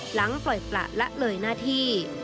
หลังปล่อยประละเลยหน้าที่